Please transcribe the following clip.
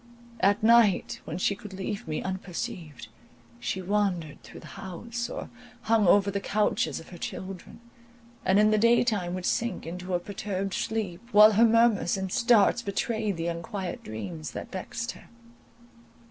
At night, when she could leave me unperceived, she wandered through the house, or hung over the couches of her children; and in the day time would sink into a perturbed sleep, while her murmurs and starts betrayed the unquiet dreams that vexed her.